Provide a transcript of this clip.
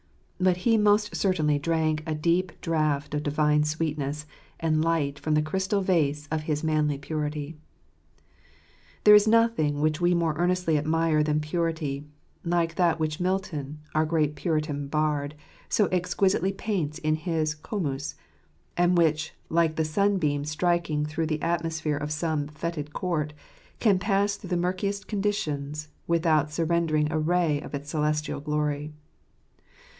But he most certainly drank a deep draught of divine sweetness and light from the crystal vase of his manly purity. There is nothing which we more earnestly admire than purity, like tliat which Milton, our great Puritan bard, so exquisitely paints in his " Cornu s and which, like the sun beam striking through the atmosphere of some foetid court, can pass through the murkiest conditions, without surren dering a ray of its celestial glory.